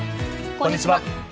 こんにちは。